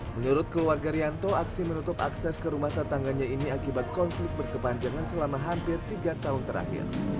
menurut keluarga rianto aksi menutup akses ke rumah tetangganya ini akibat konflik berkepanjangan selama hampir tiga tahun terakhir